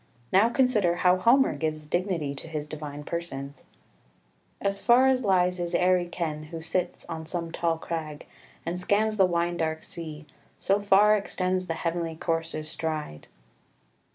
Now consider how Homer gives dignity to his divine persons "As far as lies his airy ken, who sits On some tall crag, and scans the wine dark sea: So far extends the heavenly coursers' stride."